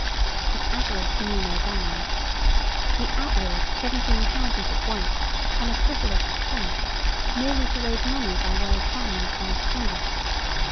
His avarice knew no bounds. He outlawed seventeen counties at once, on a frivolous pretence, merely to raise money by way of fines for misconduct.